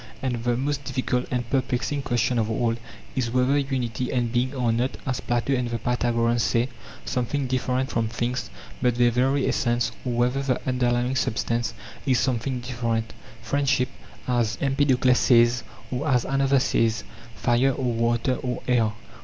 And the most difficult and perplexing question of all is whether unity and being are not, as Plato and the Pythagoreans say, something different from things but their very essence, or whether the un derlying substance is something different, friendship, as Empedokles says, or as another says, fire, or water, or air.